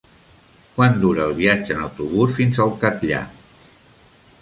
Quant dura el viatge en autobús fins al Catllar?